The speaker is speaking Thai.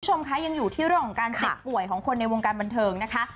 คุณผู้ชมคะยังอยู่ที่เรื่องของการเจ็บป่วยของคนในวงการบันเทิงนะคะ